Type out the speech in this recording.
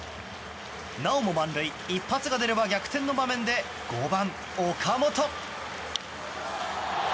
なおも満塁一発が出れば逆転の場面で５番、岡本。